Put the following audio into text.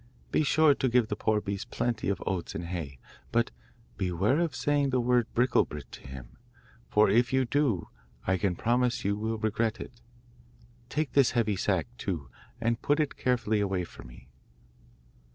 Be sure you give the poor beast plenty of oats and hay, but beware of saying the word "Bricklebrit" to him, for if you do I can promise you will regret it. Take this heavy sack, too, and put it carefully away for me.